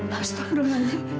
pasti aku belum ngerti